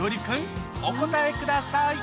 君お答えください